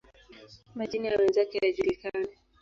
Majina ya wenzake hayajulikani.